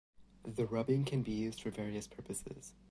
The rubbing can be used for various purposes.